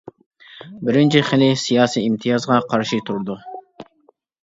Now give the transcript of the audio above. بىرىنچى خىلى، سىياسىي ئىمتىيازغا قارشى تۇرىدۇ.